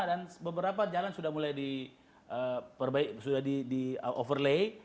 dan beberapa jalan sudah mulai di overlay